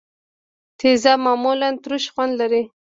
تیزاب معمولا ترش خوند لري.